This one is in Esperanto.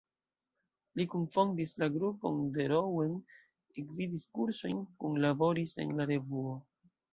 Li kunfondis la grupon de Rouen, gvidis kursojn, kunlaboris en la Revuo.